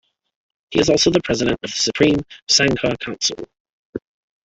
He is also the President of the Supreme Sangha Council.